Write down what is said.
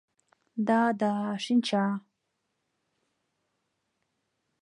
Да-да, шинча.